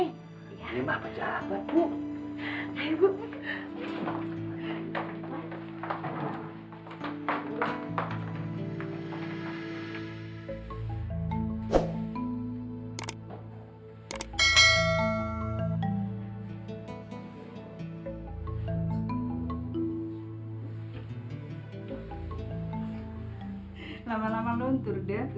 ini mah pejabat bu